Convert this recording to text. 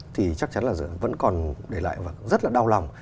thì chắc chắn là vẫn còn để lại và rất là đau lòng